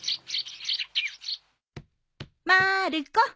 まる子！